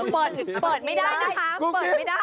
เปิดไม่ได้นะคะ